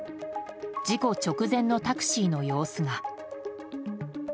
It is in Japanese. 事故直前のタクシーの様子が。